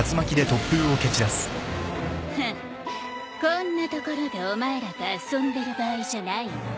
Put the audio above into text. フンこんなところでお前らと遊んでる場合じゃないの。